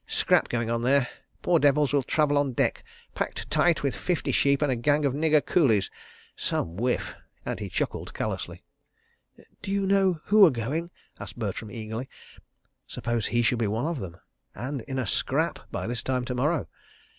Scrap going on there. Poor devils will travel on deck, packed tight with fifty sheep and a gang of nigger coolies. ... Some whiff!" and he chuckled callously. "D'you know who are going?" asked Bertram eagerly. Suppose he should be one of them—and in a "scrap" by this time to morrow!